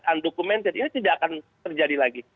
undocumented ini tidak akan terjadi lagi